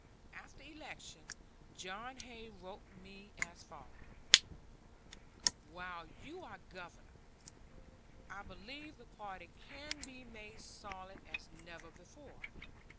After election John Hay wrote me as follows: "While you are Governor, I believe the party can be made solid as never before.